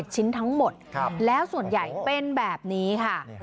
ชิ้นทั้งหมดแล้วส่วนใหญ่เป็นแบบนี้ค่ะ